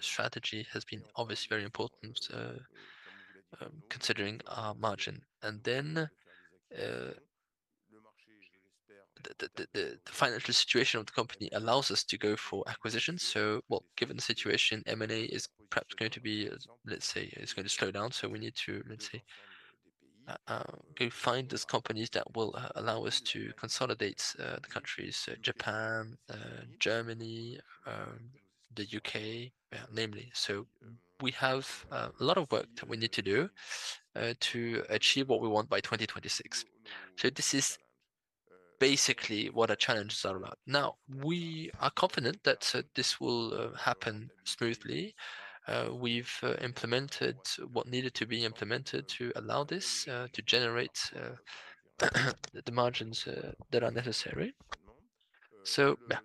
strategy has been obviously very important, considering our margin. And then, the financial situation of the company allows us to go for acquisitions. So, well, given the situation, M&A is perhaps going to be, let's say, it's going to slow down. So we need to, let's say, go find these companies that will allow us to consolidate the countries: Japan, Germany, the UK, namely. So we have a lot of work that we need to do to achieve what we want by 2026. So this is basically what our challenges are about. Now, we are confident that this will happen smoothly. We've implemented what needed to be implemented to allow this to generate the margins that are necessary. So, yeah.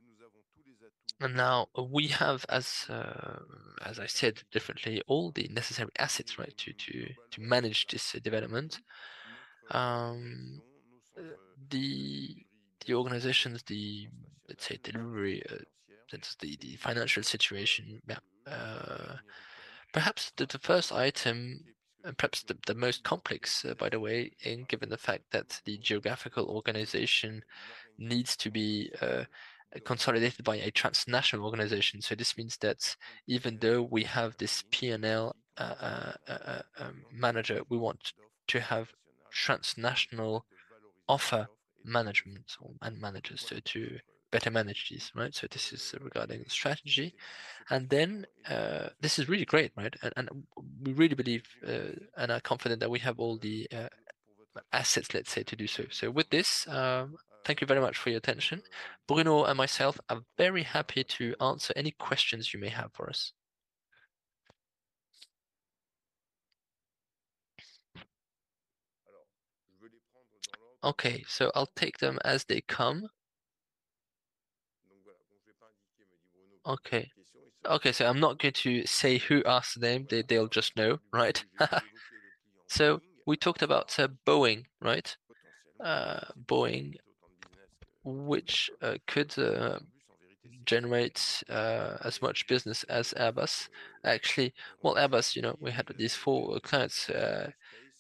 And now we have, as I said differently, all the necessary assets, right, to manage this development. The organizations, the... let's say, the financial situation. Yeah. Perhaps the first item, and perhaps the most complex, by the way, in given the fact that the geographical organization needs to be consolidated by a transnational organization. So this means that even though we have this P&L manager, we want to have transnational offer managements or managers, so to better manage this, right? So this is regarding strategy. This is really great, right? We really believe and are confident that we have all the assets, let's say, to do so. With this, thank you very much for your attention. Bruno and myself are very happy to answer any questions you may have for us. Okay, I'll take them as they come. Okay. I'm not going to say who asked them. They'll just know, right? We talked about Boeing, right? Boeing, which could generate as much business as Airbus. Actually, well, Airbus, you know, we had these four clients: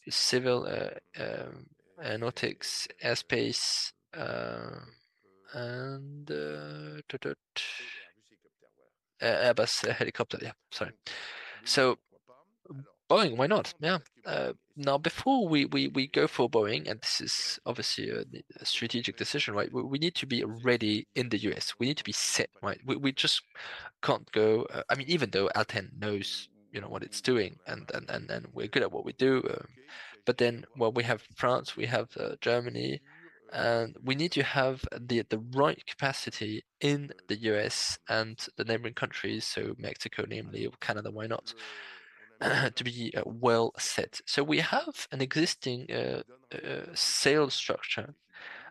civil, aeronautics, space, and Airbus Helicopters. Yeah, sorry. So Boeing, why not? Yeah. Now, before we go for Boeing, and this is obviously a strategic decision, right? We need to be ready in the U.S. We need to be set, right? We just can't go... I mean, even though Alten knows, you know, what it's doing and we're good at what we do, but then, well, we have France, we have Germany, and we need to have the right capacity in the U.S. and the neighboring countries, so Mexico, namely, or Canada, why not? To be well set. So we have an existing sales structure,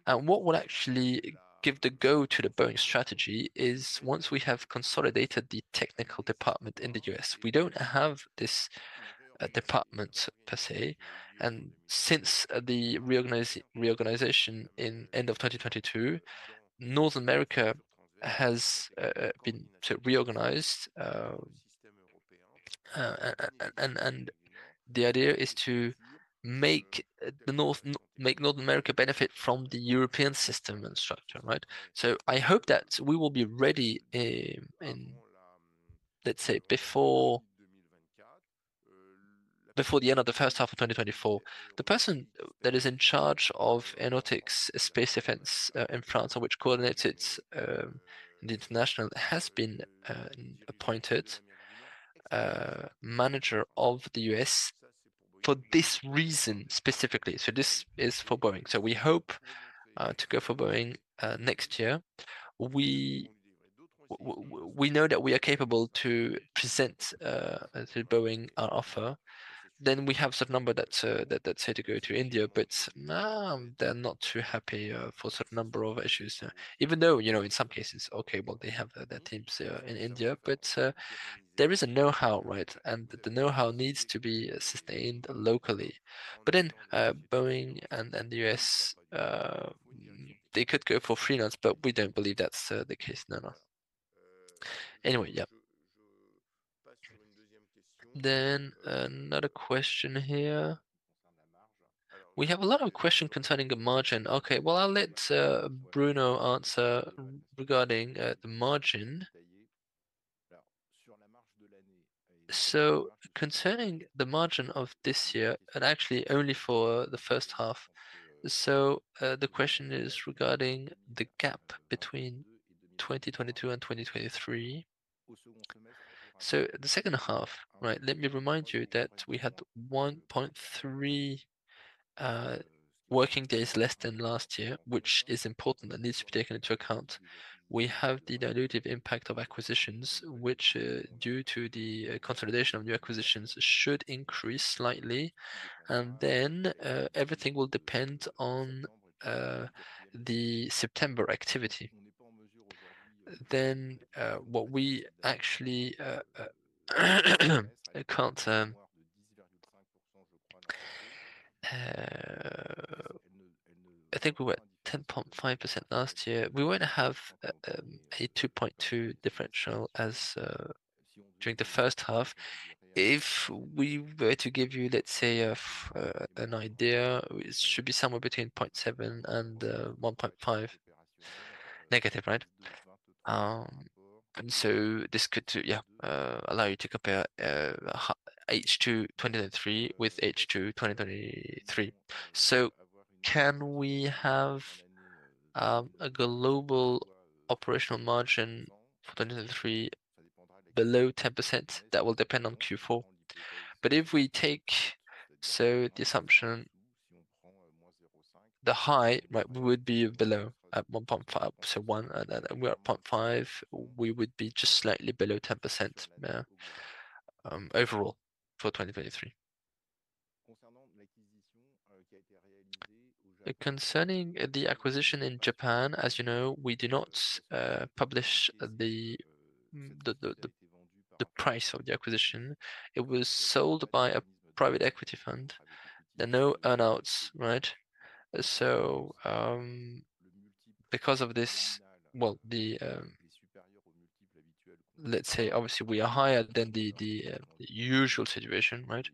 and what will actually give the go to the Boeing strategy is once we have consolidated the technical department in the U.S. We don't have this department per se, and since the reorganization in end of 2022, North America has been reorganized. The idea is to make North America benefit from the European system and structure, right? I hope that we will be ready, let's say, before the end of the first half of 2024. The person that is in charge of aeronautics, space, defense in France, and which coordinates it, the international, has been appointed manager of the US for this reason specifically. This is for Boeing. We hope to go for Boeing next year. We know that we are capable to present to Boeing our offer. We have certain number that say to go to India, but they're not too happy for certain number of issues. Even though, you know, in some cases, okay, well, they have their teams in India, but, there is a know-how, right? And the know-how needs to be sustained locally. But then, Boeing and, and the U.S., they could go for freelance, but we don't believe that's the case. No, no. Anyway, yeah. Then another question here. We have a lot of question concerning the margin. Okay, well, I'll let Bruno answer regarding the margin. So concerning the margin of this year, and actually only for the first half, so, the question is regarding the gap between 2022 and 2023. So the second half, right? Let me remind you that we had 1.3 working days less than last year, which is important and needs to be taken into account. We have the dilutive impact of acquisitions, which, due to the consolidation of new acquisitions, should increase slightly, and then, everything will depend on the September activity. Then, what we actually... I think we were at 10.5% last year. We wouldn't have a 2.2 differential as during the first half. If we were to give you, let's say, an idea, it should be somewhere between 0.7 and 1.5 negative, right? And so this could allow you to compare H2 2023 with H2 2023. So can we have a global operational margin for 2023 below 10%? That will depend on Q4. But if we take, so the assumption, the high, right, we would be below at 1.5. So one, we're at 0.5, we would be just slightly below 10%, yeah, overall, for 2023. Concerning the acquisition in Japan, as you know, we do not publish the price of the acquisition. It was sold by a private equity fund. There are no earn-outs, right? So, because of this, well, the... Let's say obviously we are higher than the usual situation, right?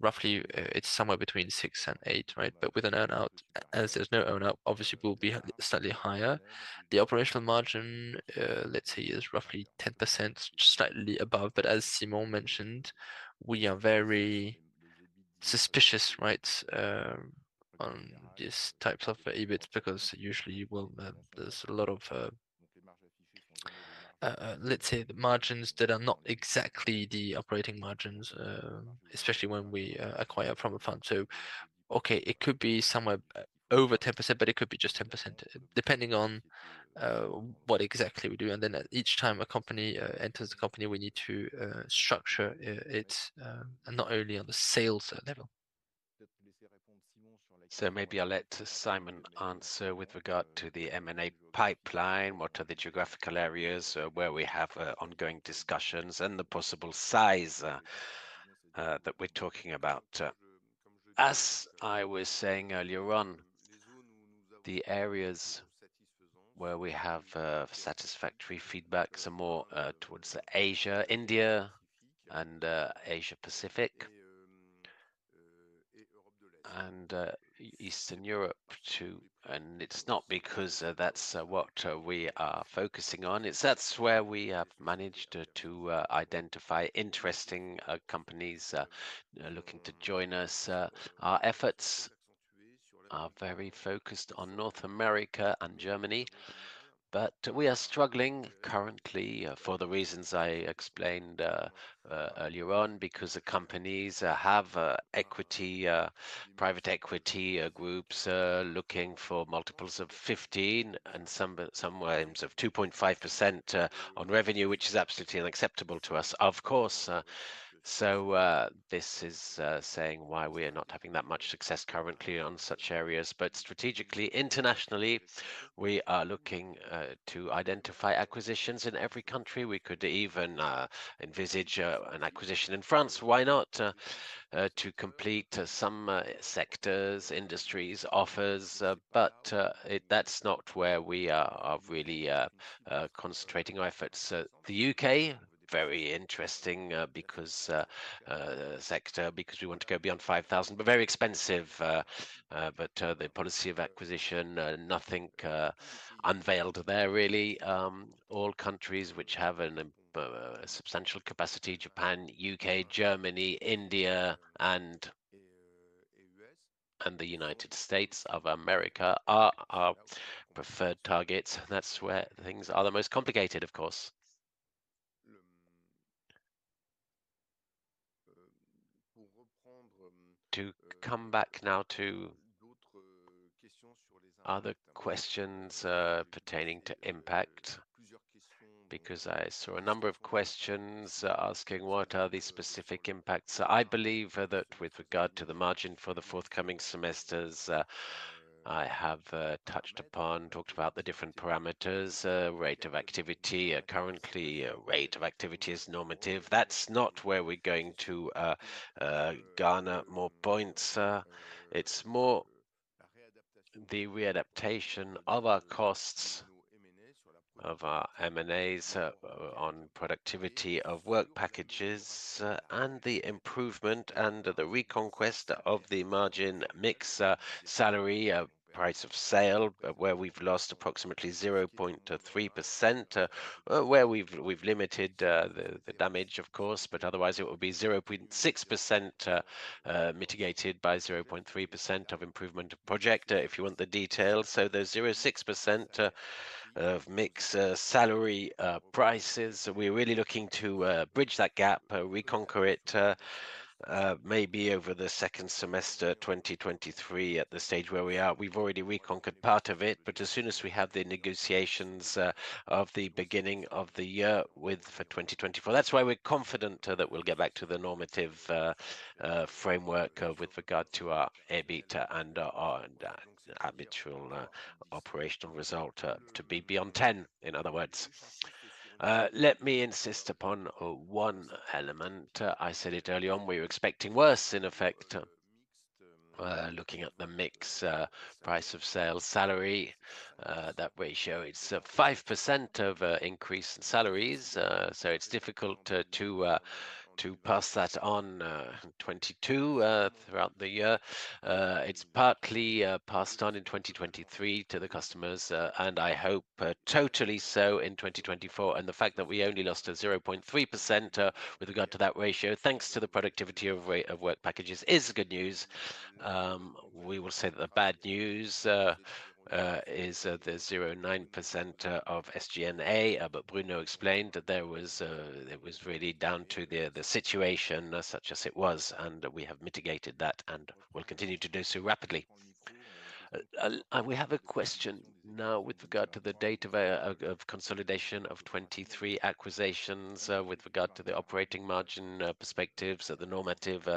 Roughly, it's somewhere between 6 and 8, right? But with an earn-out, as there's no earn-out, obviously we'll be slightly higher. The operational margin, let's say, is roughly 10%, slightly above, but as Simon mentioned, we are very suspicious, right, on these types of EBIT, because usually, well, there's a lot of, let's say, the margins that are not exactly the operating margins, especially when we acquire from a fund. So, okay, it could be somewhere over 10%, but it could be just 10%, depending on what exactly we do. And then each time a company enters the company, we need to structure it, and not only on the sales level. So maybe I'll let Simon answer with regard to the M&A pipeline. What are the geographical areas where we have ongoing discussions and the possible size that we're talking about? As I was saying earlier on, the areas where we have satisfactory feedback some more towards Asia, India, and Asia Pacific, and Eastern Europe, too. And it's not because that's what we are focusing on. It's that's where we have managed to identify interesting companies looking to join us. Our efforts are very focused on North America and Germany, but we are struggling currently for the reasons I explained earlier on, because the companies have private equity groups looking for multiples of 15x and sometimes 2.5% on revenue, which is absolutely unacceptable to us, of course. So, this is saying why we are not having that much success currently on such areas, but strategically, internationally, we are looking to identify acquisitions in every country. We could even envisage an acquisition in France, why not, to complete some sectors, industries, offers, but that's not where we are really concentrating our efforts. The UK, very interesting, because sector, because we want to go beyond 5,000, but very expensive, but the policy of acquisition, nothing unveiled there, really. All countries which have a substantial capacity: Japan, UK, Germany, India, and... and the United States of America are our preferred targets. That's where things are the most complicated, of course. To come back now to other questions pertaining to impact, because I saw a number of questions asking: What are the specific impacts? I believe that with regard to the margin for the forthcoming semesters, I have touched upon, talked about the different parameters, rate of activity. Currently, rate of activity is normative. That's not where we're going to garner more points. It's more the readaptation of our costs, of our M&A, on productivity of work packages, and the improvement and the reconquest of the margin mix, salary, price of sale, where we've lost approximately 0.3%. Where we've limited the damage, of course, but otherwise, it would be 0.6%, mitigated by 0.3% of improvement project, if you want the details. There's 0.6% of mix, salary, prices. We're really looking to bridge that gap, reconquer it, maybe over the second semester, 2023. At the stage where we are, we've already reconquered part of it, but as soon as we have the negotiations of the beginning of the year with... for 2024. That's why we're confident that we'll get back to the normative framework with regard to our EBIT and our habitual operational result to be beyond 10, in other words. Let me insist upon one element. I said it early on, we were expecting worse in effect. Looking at the mix, price of sale, salary, that ratio, it's 5% of increased salaries, so it's difficult to pass that on in 2022 throughout the year. It's partly passed on in 2023 to the customers, and I hope totally so in 2024. And the fact that we only lost a 0.3% with regard to that ratio, thanks to the productivity of way of work packages, is good news. We will say that the bad news is the 9% of SG&A, but Bruno explained that there was, it was really down to the, the situation, such as it was, and we have mitigated that, and we'll continue to do so rapidly. And we have a question now with regard to the date of consolidation of 2023 acquisitions, with regard to the operating margin, perspectives. So the normative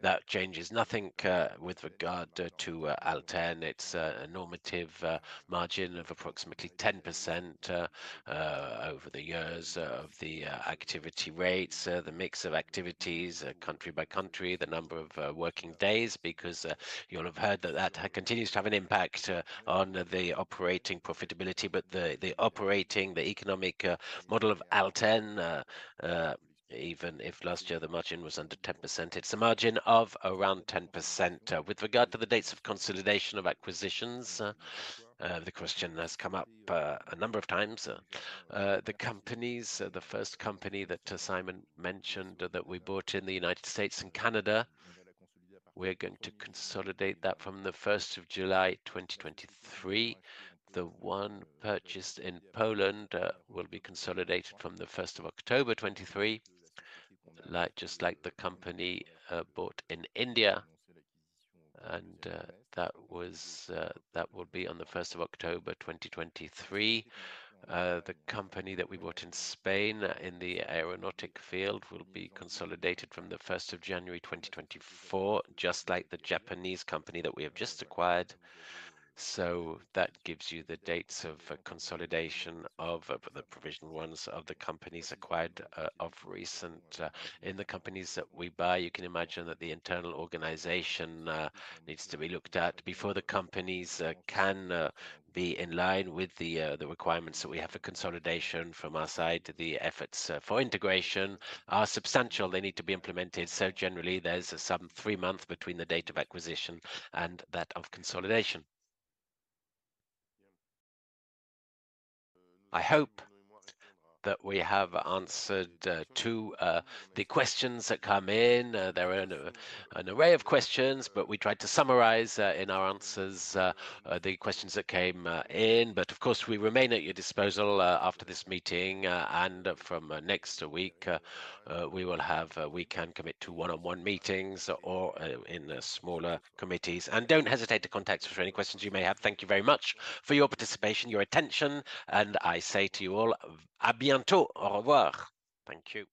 that changes nothing with regard to Alten. It's a normative margin of approximately 10% over the years of the activity rates, the mix of activities, country by country, the number of working days, because you'll have heard that that continues to have an impact on the operating profitability. But the operating economic model of Alten, even if last year the margin was under 10%, it's a margin of around 10%. With regard to the dates of consolidation of acquisitions, the question has come up a number of times. The companies, the first company that Simon mentioned that we bought in the United States and Canada, we're going to consolidate that from the first of July 2023. The one purchased in Poland will be consolidated from the first of October 2023, like, just like the company bought in India, and that will be on the first of October 2023. The company that we bought in Spain, in the aeronautic field, will be consolidated from the first of January 2024, just like the Japanese company that we have just acquired. So that gives you the dates of consolidation of the provisional ones, of the companies acquired, of recent. In the companies that we buy, you can imagine that the internal organization needs to be looked at before the companies can be in line with the requirements that we have for consolidation from our side. The efforts for integration are substantial. They need to be implemented, so generally there's some three months between the date of acquisition and that of consolidation. I hope that we have answered two the questions that come in. There are an array of questions, but we tried to summarize in our answers the questions that came in. But of course, we remain at your disposal after this meeting, and from next week we will have, we can commit to one-on-one meetings or in the smaller committees. And don't hesitate to contact us for any questions you may have. Thank you very much for your participation, your attention, and I say to you all, À bientôt! Au revoir! Thank you.